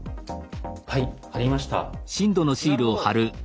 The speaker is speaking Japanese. はい貼りました。